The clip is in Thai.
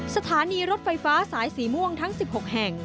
สถานีรถไฟฟ้าสายสีม่วงทั้ง๑๖แห่ง